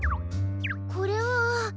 これは。